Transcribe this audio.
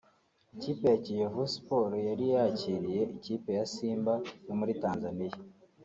Ikipe ya Kiyovu Sports yari yakiriye ikipe ya Simba yo muri Tanzania